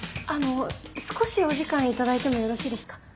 あの少しお時間いただいてもよろしいですか？